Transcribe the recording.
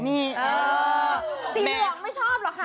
สีหลวงไม่ชอบหรอคะ